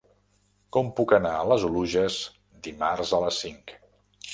Com puc anar a les Oluges dimarts a les cinc?